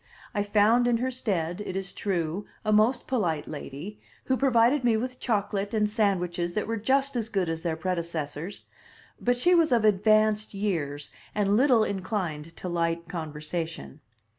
I found in her stead, it is true, a most polite lady, who provided me with chocolate and sandwiches that were just as good as their predecessors; but she was of advanced years, and little inclined to light conversation.